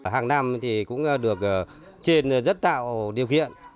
hàng năm thì cũng được trên rất tạo điều kiện